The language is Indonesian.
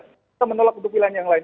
kita menolak untuk pilihan yang lain